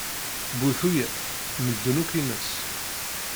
Bu tuyat, medden akk ines.